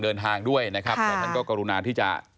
เดินทางด้วยนะครับแต่ท่านก็กรุณาที่จะ